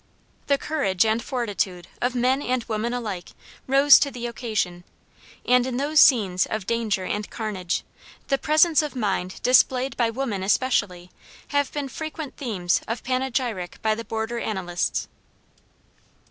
The courage and fortitude of men and women alike rose to the occasion, and in those scenes of danger and carnage, the presence of mind displayed by women especially, have been frequent themes of panegyric by the border annalists. [Footnote: DeHass.